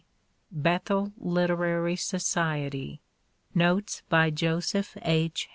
Bethel Literary Society. Notes by Joseph H.